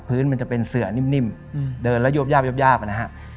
พื้นมันจะเป็นเสื่อนิ่มเดินแล้วโยบยาบโยบยาบนะฮะ